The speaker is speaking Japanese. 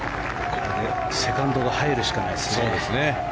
これ、セカンドが入るしかないですね。